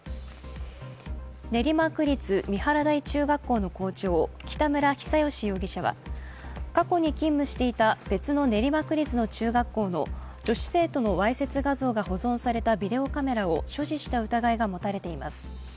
練馬区立・三原台中学校の校長北村比左嘉容疑者は過去に勤務していた別の練馬区立の中学校の女子生徒のわいせつ画像が保存されたビデオカメラを所持した疑いが持たれています。